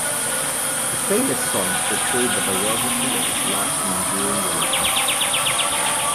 The playlist songs portrayed the biography of his last and enduring relationship.